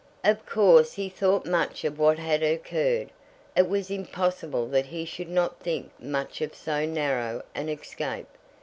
Of course he thought much of what had occurred. It was impossible that he should not think much of so narrow an escape.